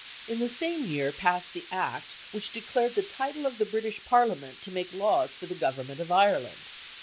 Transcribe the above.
In the same year passed the Act which declared the title of the British Parliament to make laws for the government of Ireland.